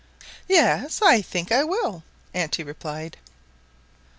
"Yes, I think I will," auntie replied.